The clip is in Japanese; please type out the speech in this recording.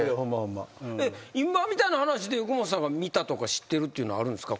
今みたいな話で福本さんが見たとか知ってるっていうのあるんですか？